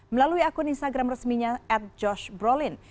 melalui akun instagram resminya at josh brolin